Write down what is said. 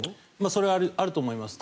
それはあると思います。